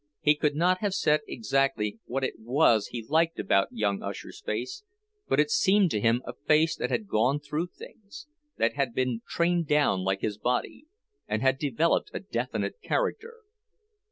He could not have said exactly what it was he liked about young Usher's face, but it seemed to him a face that had gone through things, that had been trained down like his body, and had developed a definite character.